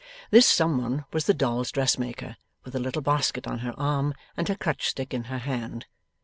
This some one was the dolls' dressmaker, with a little basket on her arm, and her crutch stick in her hand.